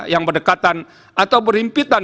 yang berdekatan atau berhimpitan